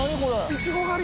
イチゴ狩り！